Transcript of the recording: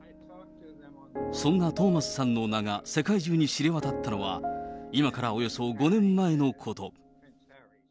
そんなトーマスさんの名が世界中に知れ渡ったのは、今からおよそ５年前のこと。